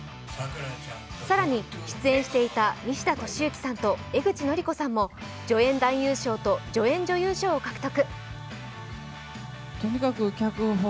更に、出演していた西田敏行さんと江口のりこさんも助演男優賞と助演女優賞を獲得。